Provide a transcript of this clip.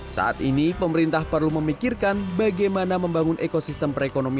saat ini pemerintah perlu memikirkan bagaimana membangun ekosistem perekonomian